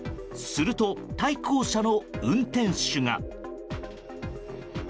すると、対向車の運転手が。